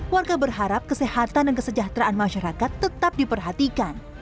warga berharap kesehatan dan kesejahteraan masyarakat tetap diperhatikan